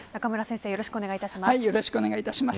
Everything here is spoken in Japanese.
よろしくお願いします。